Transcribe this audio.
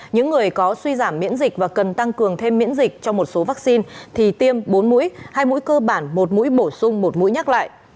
những người có suy giảm miễn dịch và cần tăng cường thêm miễn dịch cho một số vaccine thì tiêm bốn mũi hai mũi cơ bản một mũi bổ sung một mũi nhắc lại